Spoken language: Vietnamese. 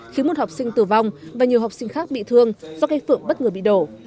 khiến một học sinh tử vong và nhiều học sinh khác bị thương do cây phượng bất ngờ bị đổ